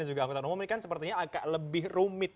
dan juga angkutan rumah ini kan sepertinya agak lebih rumit